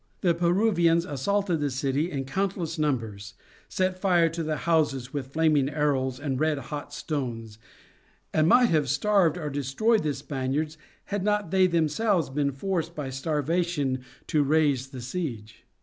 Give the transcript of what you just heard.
The Peruvians assaulted the city in countless numbers, set fire to the houses with flaming arrows and red hot stones, and might have starved or destroyed the Spaniards, had not they themselves been forced by starvation to raise the siege.